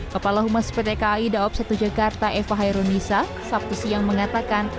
kepala humas pt kai daob satu jakarta eva hairunisa sabtu siang mengatakan